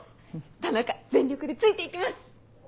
田中全力でついて行きます！